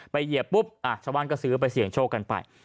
เหยียบปุ๊บชาวบ้านก็ซื้อไปเสี่ยงโชคกันไป